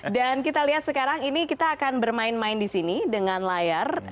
dan kita lihat sekarang ini kita akan bermain main di sini dengan layar